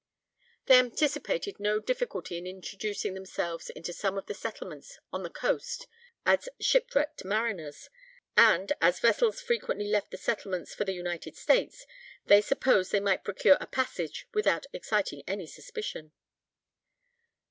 They anticipated no difficulty in introducing themselves into some of the settlements on the coast as shipwrecked mariners; and, as vessels frequently left the settlements for the United States, they supposed they might procure a passage without exciting any suspicion.